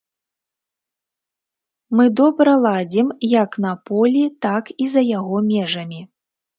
Мы добра ладзім як на полі, так і за яго межамі.